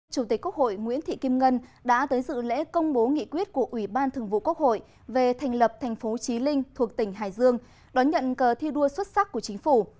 chủ tịch quốc hội nguyễn thị kim ngân đã tới dự lễ công bố nghị quyết của ủy ban thường vụ quốc hội về thành lập thành phố trí linh thuộc tỉnh hải dương đón nhận cờ thi đua xuất sắc của chính phủ